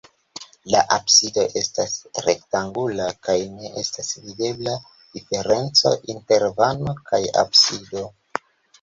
La absido estas rektangula kaj ne estas videbla diferenco inter navo kaj absido.